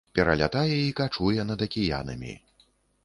Пералятае і качуе над акіянамі.